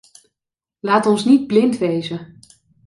Laat ons niet blind wezen.